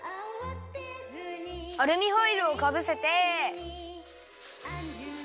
アルミホイルをかぶせて。